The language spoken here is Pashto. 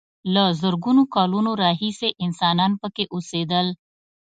له زرګونو کالونو راهیسې انسانان پکې اوسېدل.